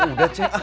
cek udah cek